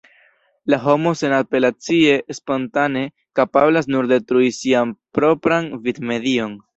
La homo senapelacie, spontane kapablas nur detrui sian propran vivmedion.